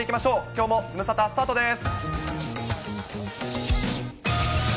きょうもズムサタスタートです。